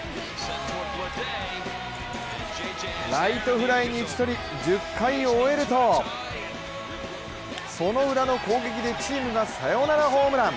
ライトフライに打ち取り１０回を終えるとそのウラの攻撃でチームがサヨナラホームラン。